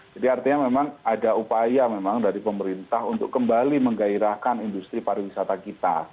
jadi artinya memang ada upaya memang dari pemerintah untuk kembali menggairahkan industri pariwisata kita